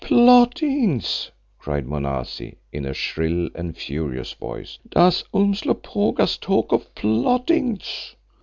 "Plottings!" cried Monazi in a shrill and furious voice. "Does Umslopogaas talk of plottings?